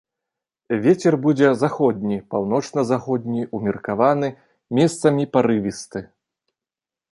Вецер будзе заходні, паўночна-заходні, умеркаваны, месцамі парывісты.